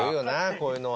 こういうのは。